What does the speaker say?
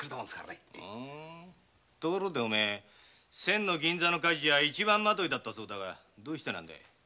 ところでお前前の銀座の火事じゃ一番まといだったそうだがどうしてなんだ？